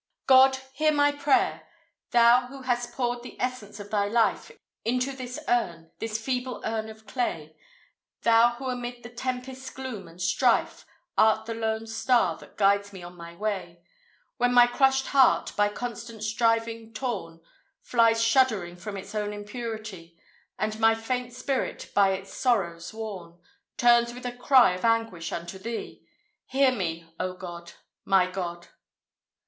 God! hear my prayer! Thou who hast poured the essence of thy life Into this urn, this feeble urn of clay; Thou who amid the tempest's gloom and strife Art the lone star that guides me on my way; When my crushed heart, by constant striving torn, Flies shuddering from its own impurity, And my faint spirit, by its sorrows worn, Turns with a cry of anguish unto thee Hear me, O God! my God!